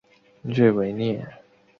瑞维涅。